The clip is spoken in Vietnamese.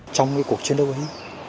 trong cuộc chiến đấu bắn